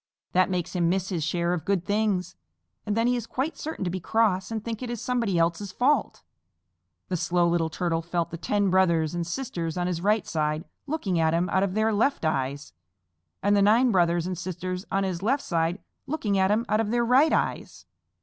That makes him miss his share of good things, and then he is quite certain to be cross and think it is somebody else's fault." The Slow Little Turtle felt the ten brothers and sisters on his right side looking at him out of their left eyes, and the nine brothers and sisters on his left side looking at him out of their right eyes.